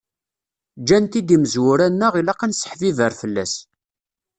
Ǧǧan-t-id yimezwura-nneɣ ilaq ad nesseḥbiber fell-as.